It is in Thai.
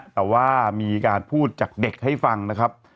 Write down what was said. แต่ว่ามีการพูดจากเด็กให้ฟังนะครับ